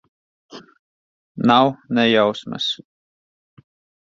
Nav ne jausmas.